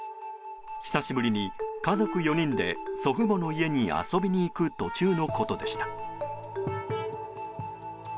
久しぶりに家族４人で祖父母の家に遊びに行く途中のことでした。